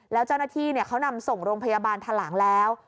แล้วเจ้าหน้าที่เขานำส่งโรงพยาบาลทะหลังแล้ว